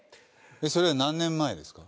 それ何年前ですか？